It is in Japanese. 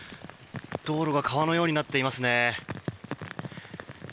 道路が川のようになっていますね。